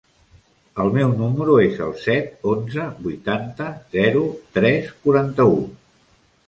El meu número es el set, onze, vuitanta, zero, tres, quaranta-u.